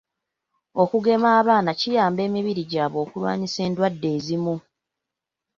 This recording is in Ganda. Okugema abaana kiyamba emibiri gyabwe okulwanisa endwadde ezimu.